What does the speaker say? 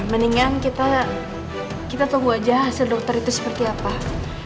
justru kita tunggu aja ketika dokter itu berbakat